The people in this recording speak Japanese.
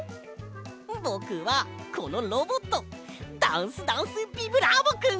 ぼくはこのロボットダンスダンスビブラーボくん！